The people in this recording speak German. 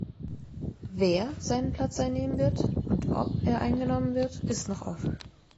Wer seinen Platz einnehmen wird und ob er eingenommen wird ist noch offen.